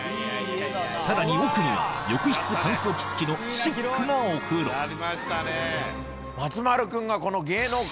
さらに奥には浴室乾燥機付きのシックなお風呂松丸君がこの。